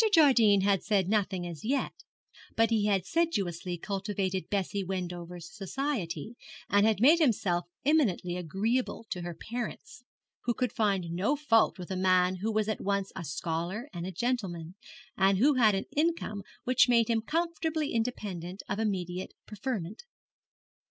Jardine had said nothing as yet, but he had sedulously cultivated Bessie Wendover's society, and had made himself eminently agreeable to her parents, who could find no fault with a man who was at once a scholar and a gentleman, and who had an income which made him comfortably independent of immediate preferment.